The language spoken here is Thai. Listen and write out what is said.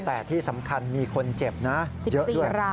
แต่ที่สำคัญมีคนเจ็บนะ